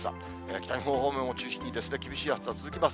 北日本方面を中心に厳しい暑さ続きます。